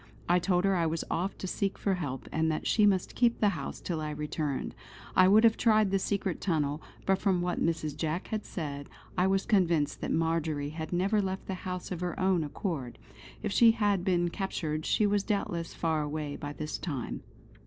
I told her I was off to seek for help, and that she must keep the house till I returned. I would have tried the secret tunnel, but from what Mrs. Jack had said I was convinced that Marjory had never left the house of her own accord. If she had been captured she was doubtless far away by this time.